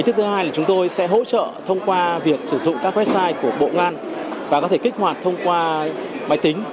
thứ hai là chúng tôi sẽ hỗ trợ thông qua việc sử dụng các website của bộ ngoan và có thể kích hoạt thông qua máy tính